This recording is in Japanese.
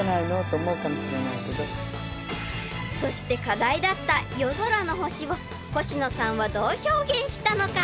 ［そして課題だった夜空の星をコシノさんはどう表現したのか？］